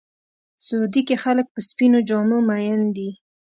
سعودي کې خلک په سپینو جامو مین دي.